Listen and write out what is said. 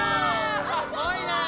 すごいね！